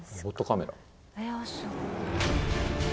⁉えすごい。